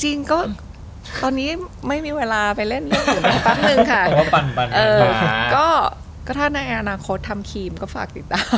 จริงก็ตอนนี้ไม่มีเวลาไปเล่นหรอก